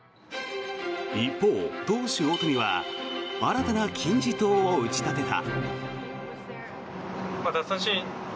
一方、投手・大谷は新たな金字塔を打ち立てた。